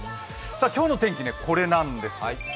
今日の天気、これなんです。